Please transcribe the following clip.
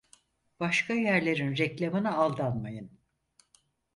Başka yerlerin reklamına aldanmayın…